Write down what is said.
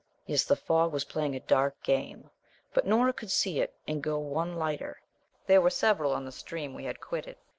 Yes, the fog was playing a dark game, but Nora could see it and go one lighter (there were several on the stream we had quitted).